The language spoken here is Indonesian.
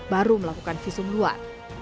baru melakukan visum luar